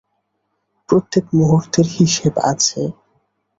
প্রত্যেক মুহূর্তের হিসেব আছে।